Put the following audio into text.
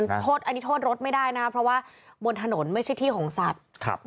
อันนี้โทษรถไม่ได้นะเพราะว่าบนถนนไม่ใช่ที่ของสัตว์